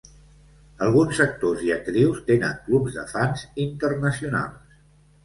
Alguns actors i actrius tenen clubs de fans internacionals.